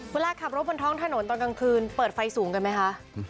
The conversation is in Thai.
เวลาขับรถบนท้องถนนตอนกลางคืนเปิดไฟสูงกันไหมคะ